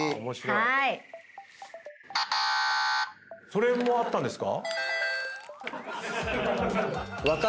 それもあったんですか？